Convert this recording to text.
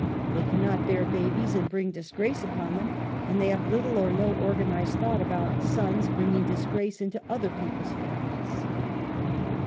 They cannot bear babies and bring disgrace upon them, and they have little or no organized thought about sons bringing disgrace into other peo ple's families.